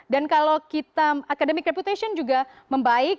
dan kalau kita academic reputation juga membaik